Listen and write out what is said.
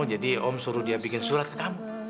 om suruh dia bikin surat ke kamu